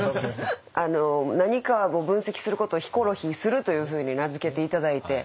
何か分析することを「ヒコロヒーする」というふうに名付けて頂いて。